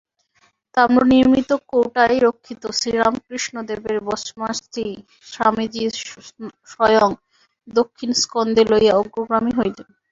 তাম্রনির্মিত কৌটায় রক্ষিত শ্রীরামকৃষ্ণদেবের ভস্মাস্থি স্বামীজী স্বয়ং দক্ষিণ স্কন্ধে লইয়া অগ্রগামী হইলেন।